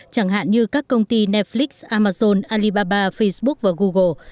chẳng hạn như các công ty neplex amazon alibaba facebook và google